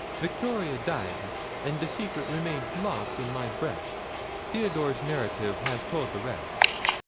Victoria died; and the secret remained locked in my breast. Theodore's narrative has told the rest."